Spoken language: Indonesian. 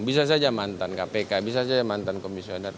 bisa saja mantan kpk bisa saja mantan komisioner